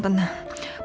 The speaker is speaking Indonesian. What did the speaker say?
papa gak ada bukti elsa